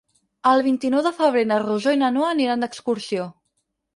El vint-i-nou de febrer na Rosó i na Noa aniran d'excursió.